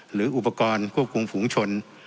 หรืออุปกรณ์ควบคุมฝูงชน